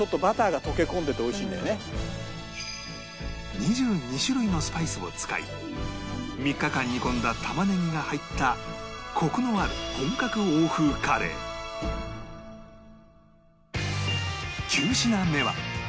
２２種類のスパイスを使い３日間煮込んだ玉ねぎが入ったコクのある本格欧風カレー９品目は